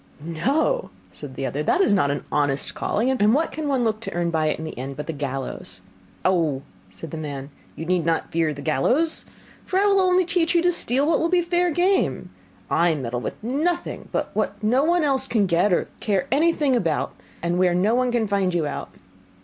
'No,' said the other, 'that is not an honest calling, and what can one look to earn by it in the end but the gallows?' 'Oh!' said the man, 'you need not fear the gallows; for I will only teach you to steal what will be fair game: I meddle with nothing but what no one else can get or care anything about, and where no one can find you out.